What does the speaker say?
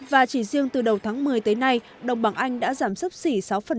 và chỉ riêng từ đầu tháng một mươi tới nay đồng bảng anh đã giảm sốc xỉ sáu